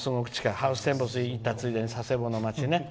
ハウステンボスに行ったついでに佐世保の街をね。